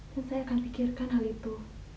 dan saya akan pikirkan hal itu